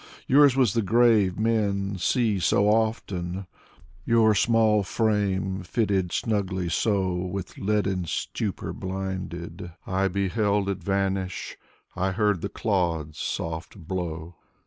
Yours was the grave men see so often : Your small frame fitted snugly, so ; With leaden stupor blinded, I beheld it Vanish, I heard the clods' soft blow.